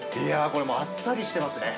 これ、あっさりしてますね。